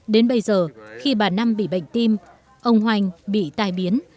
đến bây giờ khi bà năm bị bệnh tim ông hoành bị tai biến